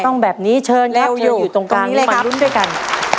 ต้องแบบนี้เชิญครับวิวอยู่ตรงกลางมารุ้นด้วยกัน